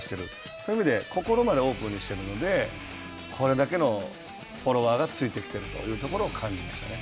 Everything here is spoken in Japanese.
そういう意味で心までオープンにしているのでこれだけのフォロワーがついてきているというところを感じましたね。